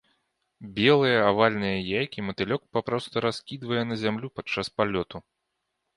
Белыя, авальныя яйкі матылёк папросту раскідвае на зямлю падчас палёту.